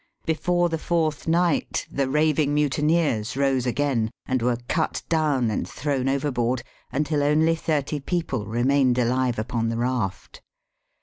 Before the fourth night, the raving mutineers rose . and were cut down and thrown over board until only thirty people remained .••live upon the raft.